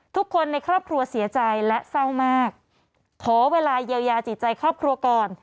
ทุกคนในครอบครัวเสียใจและเศร้ามากขอเวลาเยียวยาจิตใจครอบครัวก่อน